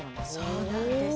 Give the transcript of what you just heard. そうなんです。